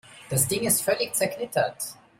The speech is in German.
Das Ding ist völlig zerknittert.